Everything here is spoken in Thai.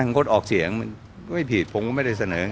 งดออกเสียงไม่ผิดผมก็ไม่ได้เสนอ